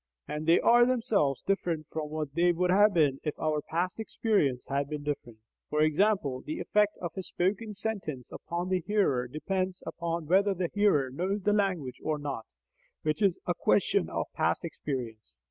and they are themselves different from what they would have been if our past experience had been different for example, the effect of a spoken sentence upon the hearer depends upon whether the hearer knows the language or not, which is a question of past experience.